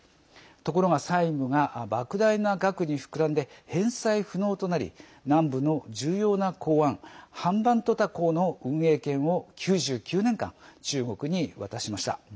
ところが債務がばく大な額に膨らんで返済不能となり南部の重要な港湾ハンバントタ港の運営権を９９年間、中国に渡しました。